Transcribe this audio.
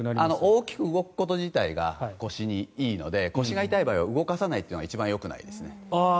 大きく動くこと自体が腰にいいので腰が痛い場合は腰を動かさないのが一番よくないです。